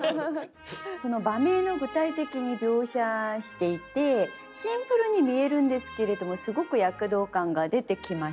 その場面を具体的に描写していてシンプルに見えるんですけれどもすごく躍動感が出てきました。